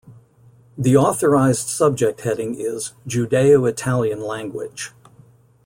The authorized subject heading is "Judeo-Italian language".